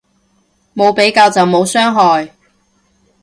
冇比較就冇傷害